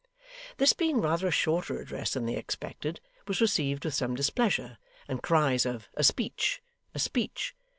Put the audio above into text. This being rather a shorter address than they expected, was received with some displeasure, and cries of 'A speech! a speech!